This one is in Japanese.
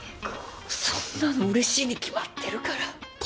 くっそんなのうれしいに決まってるから。